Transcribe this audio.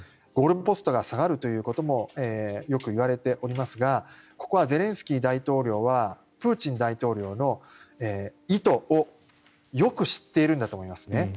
ゴールポストが下がるということもよく言われていますがここはゼレンスキー大統領はプーチン大統領の意図をよく知っているんだと思います。